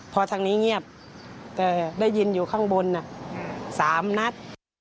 พอทางนี้เงียบแต่ได้ยินอยู่ข้างบน๓นัด